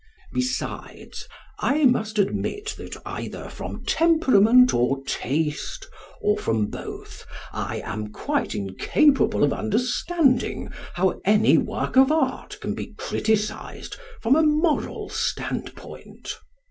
Besides, I must admit that, either from temperament or taste, or from both, I am quite incapable of understanding how any work of art can be criticised from a moral standpoint.